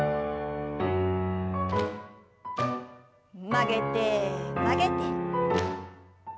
曲げて曲げて。